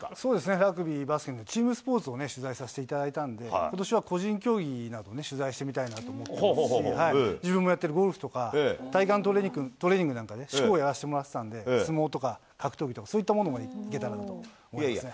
ラグビー、バスケもチームスポーツをね、取材させていただいたんで、ことしは個人競技を取材してみたいなと思ってますし、自分もやってるゴルフとか、体幹トレーニングなんかでショーをやらせてもらってたんで、相撲とか格闘技とか、そういったものも行けたらいいですね。